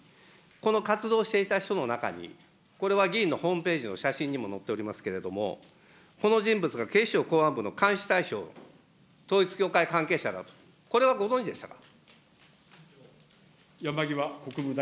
この活動していた人の中に、これは議員のホームページの写真にも載っておりますけれども、この人物が警視庁公安部の監視対象、統一教会関係者だと、これはご存じでしたか。